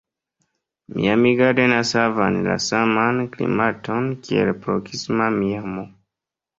Miami Gardens havas la saman klimaton, kiel la proksima Miamo.